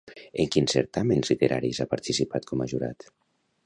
En quins certàmens literaris ha participat com a jurat?